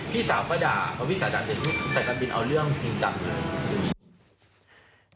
พี่สาวก็ด่าพอพี่สายด่าเสร็จปุ๊บสายการบินเอาเรื่องจริงจังเลย